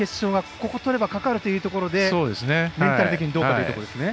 ここをとればかかるというところメンタル的にどうかですね。